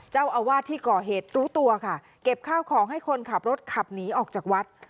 เจ้าอาวาสที่ก่อเหตุรู้ตัวค่ะเก็บข้าวของให้คนขับรถขับหนีออกจากวัด